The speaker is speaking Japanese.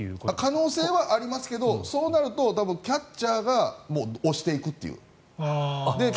可能性はありますけどそうなると多分キャッチャーが押していくっていう。